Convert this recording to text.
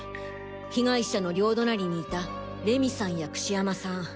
被害者の両隣にいた礼美さんや櫛山さん